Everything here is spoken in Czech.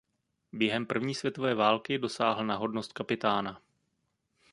Během první světové války dosáhl na hodnost kapitána.